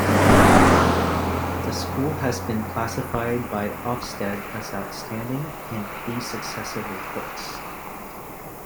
The school has been classified by Ofsted as 'Outstanding' in three successive reports.